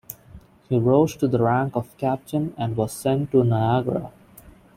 He rose to the rank of captain and was sent to Niagara.